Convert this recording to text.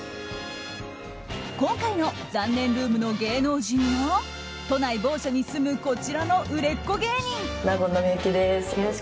今回の残念ルームの芸能人は都内某所に住むこちらの売れっ子芸人。